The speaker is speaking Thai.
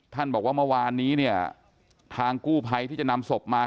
บอกว่าเมื่อวานนี้เนี่ยทางกู้ภัยที่จะนำศพมา